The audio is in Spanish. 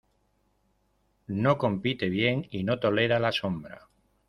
No compite bien y no tolera la sombra.